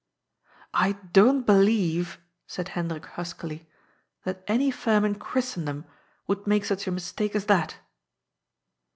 " I don't believe," said Hendrik huskily, " that any firm in Christendom would make such a mistake as that."